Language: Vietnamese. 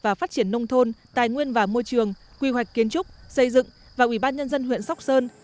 và phát triển nông thôn tài nguyên và môi trường quy hoạch kiến trúc xây dựng và ubnd huyện sóc sơn